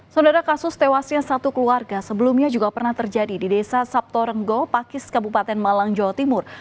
saudara kasus tewasnya satu keluarga sebelumnya juga pernah terjadi di desa sabtorenggo pakis kabupaten malang jawa timur